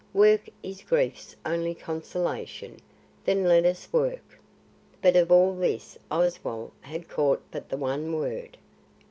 Work is grief's only consolation. Then let us work." But of all this Oswald had caught but the one word.